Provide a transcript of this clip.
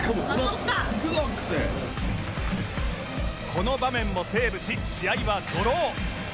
この場面もセーブし試合はドロー